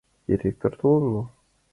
— Директор толын мо?